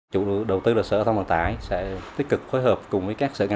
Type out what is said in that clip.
chúng tôi cũng sẽ phối hợp với thành phố tiếp tục vận động